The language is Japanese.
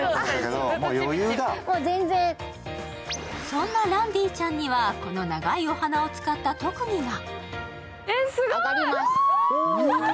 そんなランディちゃんにはこの長いお鼻を使った特技が。